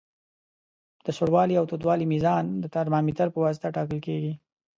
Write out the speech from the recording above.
د سوړوالي او تودوالي میزان د ترمامتر پواسطه ټاکل کیږي.